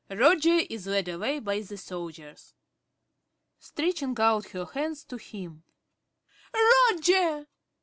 (Roger is led away by the soldiers.) ~Dorothy~ (stretching out her hands to him). Roger!